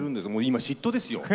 今嫉妬ですよ。